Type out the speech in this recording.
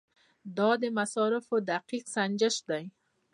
دا د مصارفو دقیق سنجش دی.